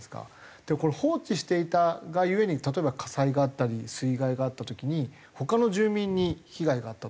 でこれ放置していたが故に例えば火災があったり水害があった時に他の住民に被害があったと。